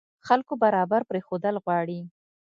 خلکو برابر پرېښودل غواړي.